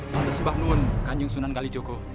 pada sebah nun kanjeng sunan kalijewa